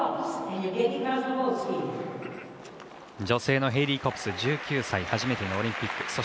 女性のヘイリー・コプスは１９歳初めてのオリンピック。